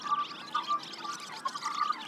পানি নেই, জুতো খুলে হাতে নিয়ে নিন।